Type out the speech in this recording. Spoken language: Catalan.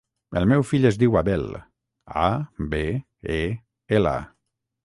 El meu fill es diu Abel: a, be, e, ela.